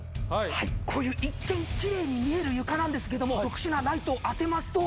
こういう一見きれいに見える床なんですけども特殊なライトを当てますと。